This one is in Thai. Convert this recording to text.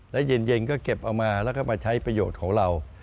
และเย็นก็เก็บเอามาแล้วก็มาใช้ประโยชน์ของเรา